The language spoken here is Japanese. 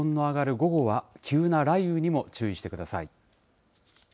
午後は、急な雷雨にも注意してください。